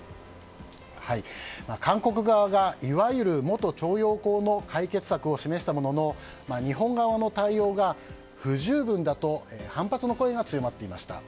韓国側がいわゆる元徴用工の解決策を示したものの日本側の対応が不十分だと反発の声が強まっていました。